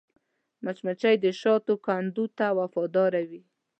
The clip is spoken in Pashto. مچمچۍ د شاتو کندو ته وفاداره وي